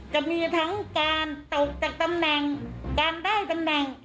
จะมีทั้งการตกจากตำแหน่งการได้ตำแหน่ง